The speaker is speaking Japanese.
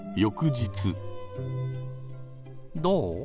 どう？